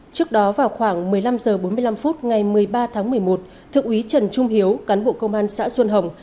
trước đó vào khoảng một mươi năm h bốn mươi năm phút ngày một mươi ba tháng một mươi một thượng úy trần trung hiếu cán bộ công an xã xuân hồng